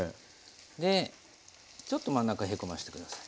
でちょっと真ん中へこまして下さい。